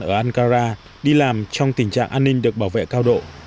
ở ankara đi làm trong tình trạng an ninh được bảo vệ cao độ